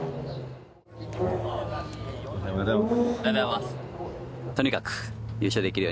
おはようございます。